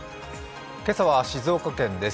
今朝は静岡県です。